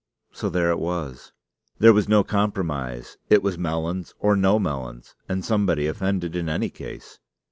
So there it was. There was no compromise; it was melons or no melons, and somebody offended in any case.